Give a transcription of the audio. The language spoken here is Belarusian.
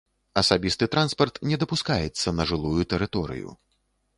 Асабісты транспарт не дапускаецца на жылую тэрыторыю.